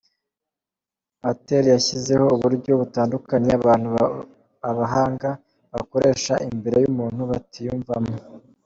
com, Patel yashyizeho uburyo butandukanye abantu b’abahanga bakoresha imbere y’umuntu batiyumvamo.